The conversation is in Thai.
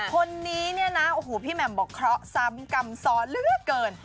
คนนี้เนี่ยนะโอ้โหพี่แหม่มบอกเคราะห์ซ้ำกรรมซ้อนเหลือเกิน